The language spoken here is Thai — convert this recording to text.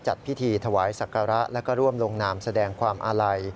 จัดพิธีถวายศักระและก็ร่วมลงนามแสดงความอาลัย